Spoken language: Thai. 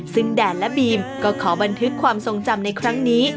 ซึ่งแดนและบีมก็ขอบันทึกความทรงจำในครั้งนี้